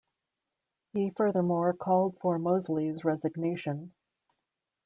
He furthermore called for Mosley's resignation.